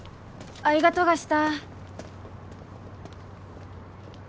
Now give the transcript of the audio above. あいがとがした